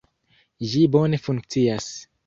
Ĝi bone funkcias.